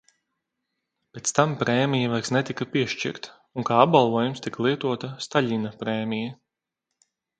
Pēc tam prēmija vairs netika piešķirta un kā apbalvojums tika lietota Staļina prēmija.